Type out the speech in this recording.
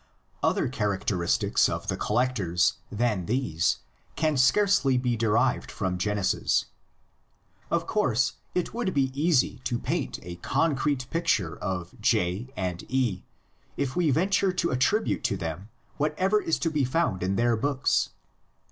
Other characteristics of the collectors than these can scarcely be derived from Genesis. Of course, it would be easy to paint a concrete picture of J and E, if we venture to attribute to them what ever is to be found in their books.